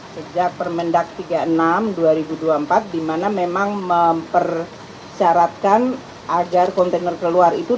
sejak permendak tiga puluh enam dua ribu dua puluh empat dimana memang mempersyaratkan agar kontainer keluar itu